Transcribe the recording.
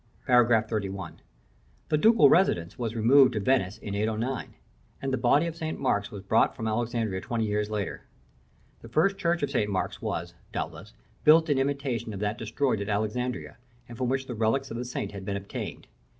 § XXXI. The Ducal residence was removed to Venice in 809, and the body of St. Mark was brought from Alexandria twenty years later. The first church of St. Mark's was, doubtless, built in imitation of that destroyed at Alexandria, and from which the relics of the saint had been obtained.